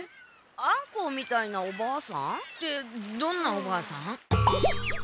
アンコウみたいなおばあさん？ってどんなおばあさん？